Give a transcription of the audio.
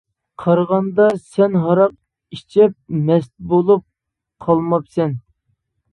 قارىغاندا سەن ھاراق ئىچىپ مەست بولۇپ قالماپسەن.